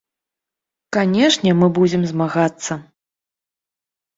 Канешне, мы будзем змагацца!